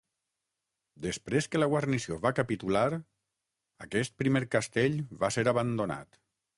Després que la guarnició va capitular, aquest primer castell va ser abandonat.